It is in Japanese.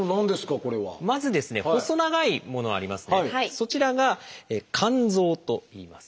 そちらが「甘草」といいます。